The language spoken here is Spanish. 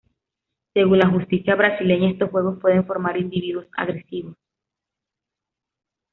Según la justicia brasileña, estos juegos "pueden formar individuos agresivos".